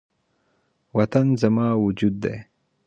وطن زما وجود دی